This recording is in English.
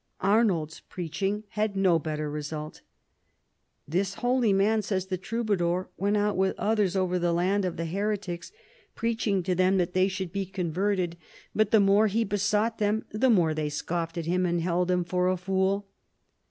Arnauld's preaching had no better result. "This holy man," says the Troubadour, "went out with others over the land of the heretics, preaching to them that they should be converted, but 188 PHILIP AUGUSTUS chap. the more he besought them the more they scoffed at him and held him for a fool."